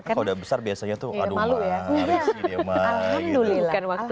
kalau udah besar biasanya tuh aduh maaah